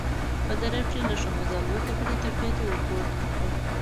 په دره کې له ښه مزل وروسته بېرته تپې ته ورپورته شوو.